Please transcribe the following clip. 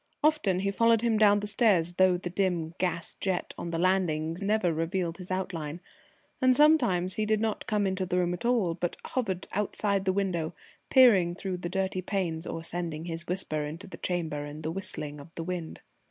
Often he followed him down the stairs, though the dim gas jet on the landings never revealed his outline; and sometimes he did not come into the room at all, but hovered outside the window, peering through the dirty panes, or sending his whisper into the chamber in the whistling of the wind.